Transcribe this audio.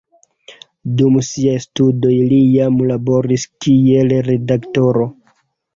Dum siaj studoj li jam laboris kiel redaktoro.